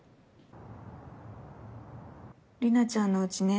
リナちゃんのおうちね。